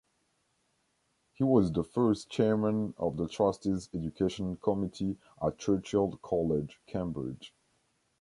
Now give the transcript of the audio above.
He was the first chairman of the Trustee's education committee at Churchill College, Cambridge.